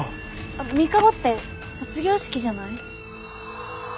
あっ３日後って卒業式じゃない？